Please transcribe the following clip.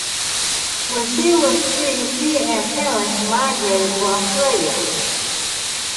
When she was three she and parents migrated to Australia.